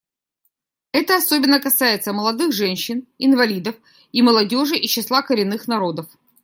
Это особенно касается молодых женщин, инвалидов и молодежи из числа коренных народов.